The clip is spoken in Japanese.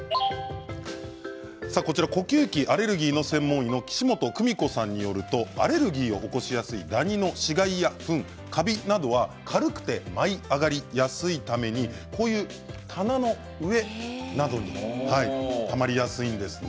呼吸器・アレルギー専門医の岸本久美子さんによるとアレルギーを起こしやすいダニの死骸やフン、カビなどは軽くて舞い上がりやすいために棚の上などにたまりやすいんです。